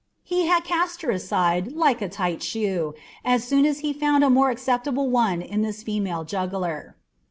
He had cast her aside like a tight shoe as soon as he found a more acceptable one in this female juggler.